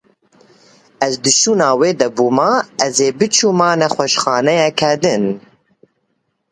Ez di şûna wê de bûma ez ê biçûma nexweşxaneyeke din.